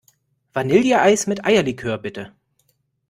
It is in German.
Vanilleeis mit Eierlikör, bitte.